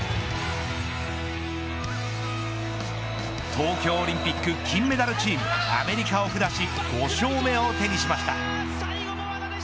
東京オリンピック金メダルチームアメリカを下し５勝目を手にしました。